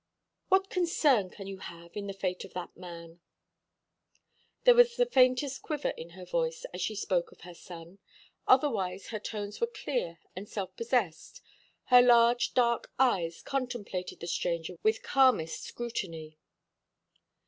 What concern can you have in the fate of that man?" There was the faintest quiver in her voice as she spoke of her son, otherwise her tones were clear and self possessed; her large dark eyes contemplated the stranger with calmest scrutiny.